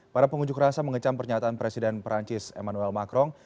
para pengunjuk rasa mengecam pernyataan presiden perancis emmanuel macron